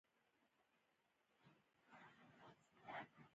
ځکه نو یوې داسې ډډې ته تګ او سفر کول.